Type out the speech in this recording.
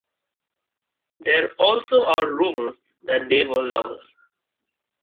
There also are rumors that they were lovers.